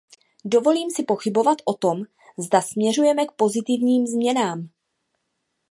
Dovolím si pochybovat o tom, zda směřujeme k pozitivním změnám.